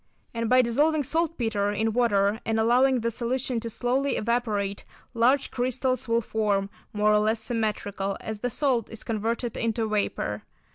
And by dissolving saltpetre in water and allowing the solution to slowly evaporate, large crystals will form, more or less symmetrical, as the salt is converted into vapour.